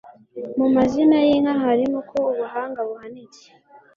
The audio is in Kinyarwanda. Mu mazina y'inka harimo ko ubuhanga buhanitse.